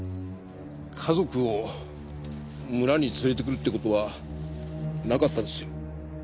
家族を村に連れてくるって事はなかったですよ。